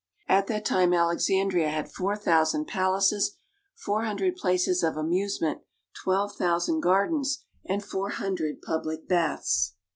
At that time Alexandria had four thousand palaces, four hundred places of amuse ment, twelve thousand gardens, and four hundred public baths.